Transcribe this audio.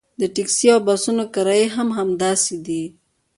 د ټکسي او بسونو کرایې هم همداسې دي.